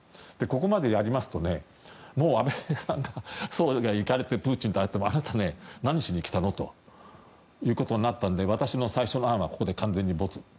ここまでやりますともう安倍総理が行かれて会われてもプーチン大統領あなた何しに来たのとなったんで私の最初の案はここで完全に没。